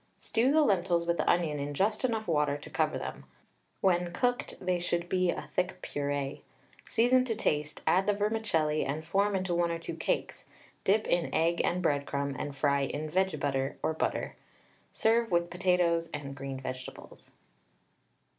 Stew the lentils with the onion in just enough water to cover them; when cooked, they should be a thick purée. Season to taste, add the vermicelli, and form into 1 or 2 cakes, dip in egg and breadcrumb, and fry in vege butter, or butter. Serve with potatoes and green vegetables.